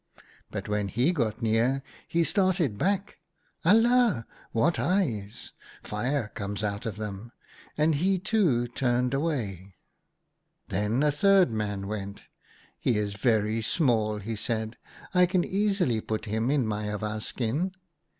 " But when he got near, he started back. * Alia ! what eyes ! Fire comes out of them. ' And he, too, turned away. 80 OUTA KARELS STORIES "Then a third man went. 'He is very small,' he said ;' I can easily put him in my awa skin.'